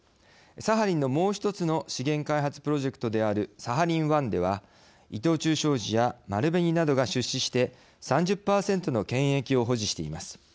サハリンのもう一つの資源開発プロジェクトであるサハリン１では伊藤忠商事や丸紅などが出資して３０％の権益を保持しています。